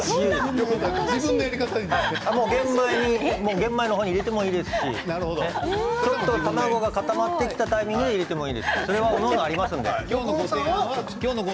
玄米の方に入れてもいいですしちょっと卵が固まってきたタイミングでもいいです。